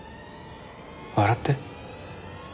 笑って。